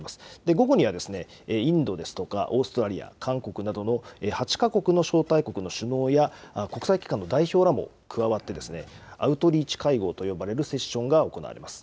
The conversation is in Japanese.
午後にはインドですとかオーストラリア、韓国などの８か国の招待国の首脳や国際機関の代表らも加わってアウトリーチ会合と呼ばれるセッションが行われます。